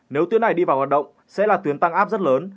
nếu tuyến này đi vào hoạt động sẽ là tuyến tăng áp rất lớn